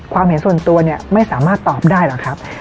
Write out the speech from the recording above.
เห็นส่วนตัวเนี่ยไม่สามารถตอบได้หรอกครับ